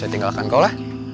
saya tinggalkan kau lah